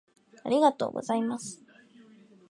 ありがとうございます。